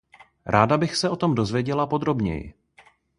Ráda bych se o tom dozvěděla podrobněji.